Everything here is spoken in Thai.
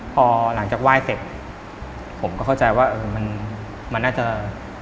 พอหลังจากไหว้เสร็จผมก็เข้าใจว่ามันน่าจะไม่มีอะไรแล้ว